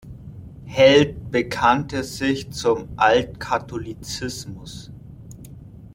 Held bekannte sich zum Altkatholizismus.